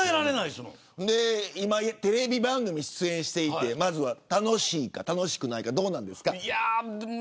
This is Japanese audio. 今、テレビ番組に出演していてまずは楽しいか楽しくないか、どうなんですか。